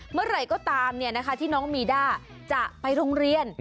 เมื่อไหร่ก็ตามที่น้องมีด้าจะไปโรงเรียน